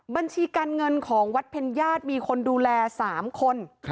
บัญชีการเงินของวัดเพ็ญญาติมีคนดูแล๓คน